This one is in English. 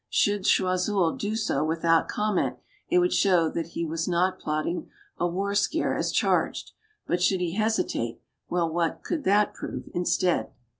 Should Choiseul do so without comment, it would show he was not plotting a war scare, as charged. But should he hesitate well, what could that prove, instead